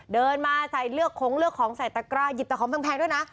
เดินมาใส่เลือกของเลือกของใส่ตะกร้าหยิบตะของแพงด้วยนะ